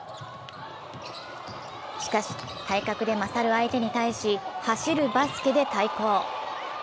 しかし、体格で勝る相手に対し、走るバスケで対抗。